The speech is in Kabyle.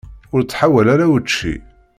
Ur ttḥawal ara učči.